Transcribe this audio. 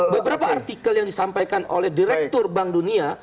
beberapa artikel yang disampaikan oleh direktur bank dunia